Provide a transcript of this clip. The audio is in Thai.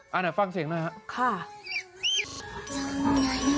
อ๋อเอาหน่อยฟังเสียงหน่อยครับ